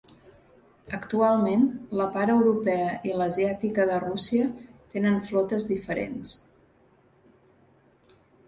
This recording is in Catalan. Actualment, la part europea i l'asiàtica de Russia tenen flotes diferents.